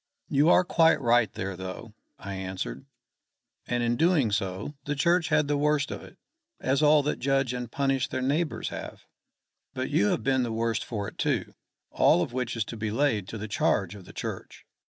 "You are quite right there though," I answered. "And in doing so, the Church had the worst of it as all that judge and punish their neighbours have. But you have been the worse for it, too: all of which is to be laid to the charge of the Church.